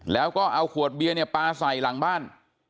แล้วก็เอาขวดเบียร์เนี่ยปลาใส่หลังบ้าน